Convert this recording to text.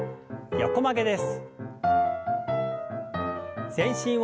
横曲げです。